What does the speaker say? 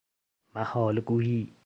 محال گویی